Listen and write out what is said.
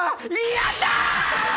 やった！